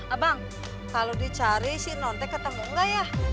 abang kalau dicari sih non teh ketemu gak ya